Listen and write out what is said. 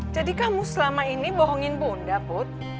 kamu selama ini bohongin bunda put